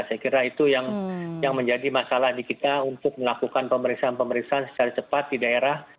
saya kira itu yang menjadi masalah di kita untuk melakukan pemeriksaan pemeriksaan secara cepat di daerah